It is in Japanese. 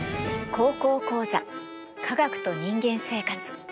「高校講座科学と人間生活」。